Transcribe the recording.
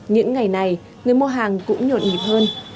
những ngày này người mua hàng cũng nhộn nhịp hơn